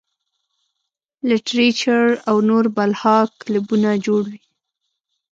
لټرېچر او نور بلها کلبونه جوړ وي -